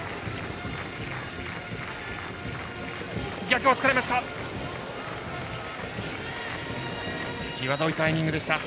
逆を突かれました。